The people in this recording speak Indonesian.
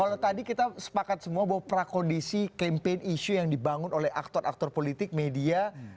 kalau tadi kita sepakat semua bahwa prakondisi campaign isu yang dibangun oleh aktor aktor politik media